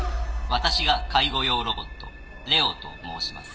私が介護用ロボットＬＥＯと申します。